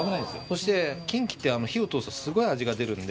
そしてキンキって火を通すとすごい味が出るんで。